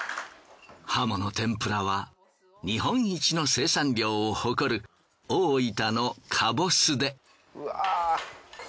ハモの天ぷらは日本一の生産量を誇る大分のカボスで。